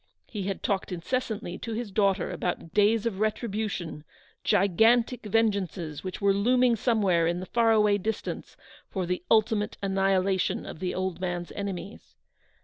He had talked incessantly to his daughter about days of retribution; gigantic vengeances which were looming somewhere in the far awav distance, for the ultimate annihila tion of the old man's enemies.